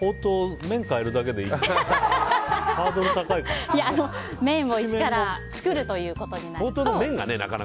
いや、麺を一から作るということになると。